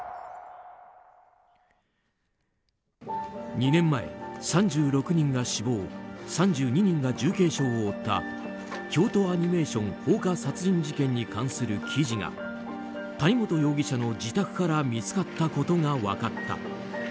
２年前、３６人が死亡３２人が重軽傷を負った京都アニメーション放火殺人事件に関する記事が谷本容疑者の自宅から見つかったことが分かった。